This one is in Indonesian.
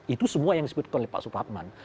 itu semua yang disebutkan oleh pak suparman